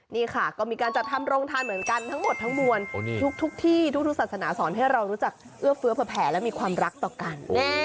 นี่ค่ะก็มีการจัดทำโรงทานเหมือนกันทั้งหมดทั้งมวลทุกที่ทุกศาสนาสอนให้เรารู้จักเอื้อเฟื้อเผื่อแผลและมีความรักต่อกัน